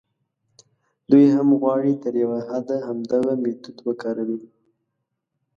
دوی هم غواړي تر یوه حده همدغه میتود وکاروي.